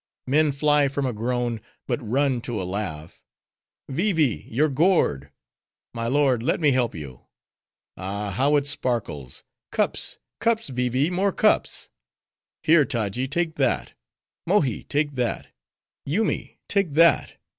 Men fly from a groan; but run to a laugh. Vee Vee! your gourd. My lord, let me help you. Ah, how it sparkles! Cups, cups, Vee Vee, more cups! Here, Taji, take that: Mohi, take that: Yoomy, take that.